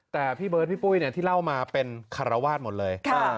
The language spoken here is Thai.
แต่พี่เปิร์ทพี่ปุ้ยเนี่ยที่เล่ามาเป็นขรราวะหวานหมดเลย